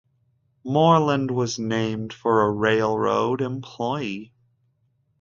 Morland was named for a railroad employee.